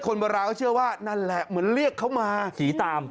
โบราณก็เชื่อว่านั่นแหละเหมือนเรียกเขามาผีตาม